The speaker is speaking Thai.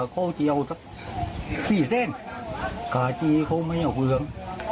ก็จะเขาไม่เอาเหลือง